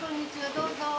どうぞ！